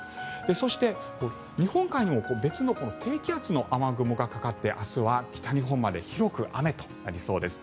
そして、日本海にも別の低気圧の雨雲がかかって明日は北日本まで広く雨となりそうです。